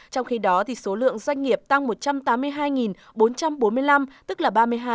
trong khi đó số lượng doanh nghiệp tăng một trăm tám mươi hai bốn trăm bốn mươi năm tức là ba mươi hai tám mươi chín